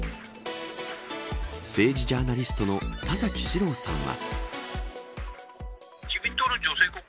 政治ジャーナリストの田崎史郎さんは。